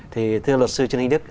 thì thưa luật sư trinh anh đức